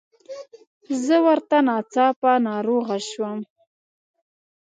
زه ورته ناڅاپه ناروغه شوم.